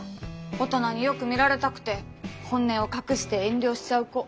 大人によく見られたくて本音を隠して遠慮しちゃう子。